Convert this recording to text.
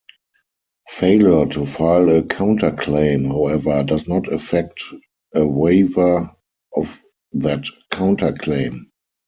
Failure to file a counterclaim, however, does not effect a waiver of that counterclaim.